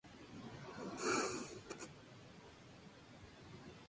De su catálogo se hizo cargo Kent Records.